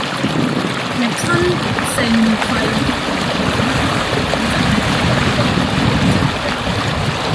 入侵性肺炎鏈球菌疾病可以令兒童殘障